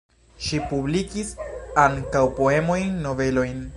Ŝi publikis ankaŭ poemojn, novelojn.